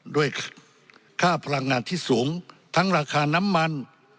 ด้วยค่าพลังงานที่สูงทั้งราคาน้ำมัน